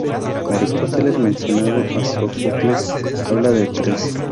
Aristóteles, mencionando a Sófocles, hablaba de tres.